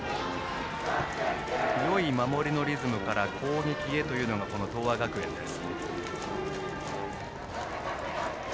いい守りのリズムから攻撃へというのが東亜学園です。